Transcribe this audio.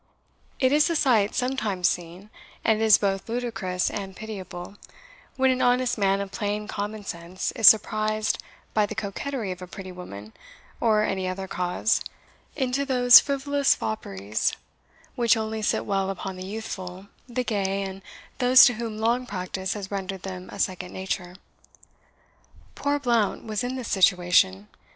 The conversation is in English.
It is a sight sometimes seen, and it is both ludicrous and pitiable; when an honest man of plain common sense is surprised, by the coquetry of a pretty woman, or any other cause, into those frivolous fopperies which only sit well upon the youthful, the gay, and those to whom long practice has rendered them a second nature. Poor Blount was in this situation.